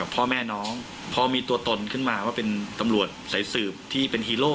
พอมีตัวตนขึ้นมาว่าเป็นตำรวจใส่สืบที่เป็นฮีโร่